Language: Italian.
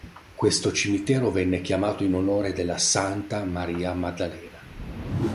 Questo cimitero venne chiamato in onore della santa Maria Maddalena.